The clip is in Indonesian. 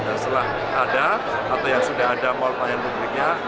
setelah ada atau yang sudah ada mall pelayanan publiknya